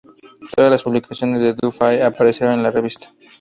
Todas las publicaciones de Du Fay aparecieron en la revista.